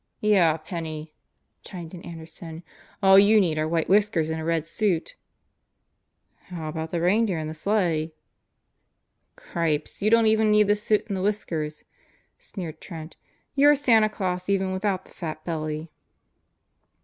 "Yeah, Penney," chimed in Anderson, "all you need are white whiskers and a red suit." "How about the reindeer and the sleigh?" "Gripes 1 You don't even need the suit and the whiskers," sneered Trent. "You're Santa Glaus even without the fat belly."